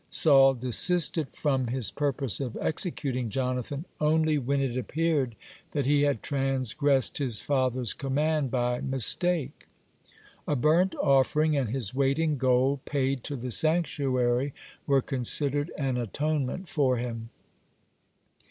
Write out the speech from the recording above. Saul desisted from his purpose of executing Jonathan only when it appeared that he had transgressed his father's command by mistake. A burnt offering and his weight in gold paid to the sanctuary were considered an atonement for him.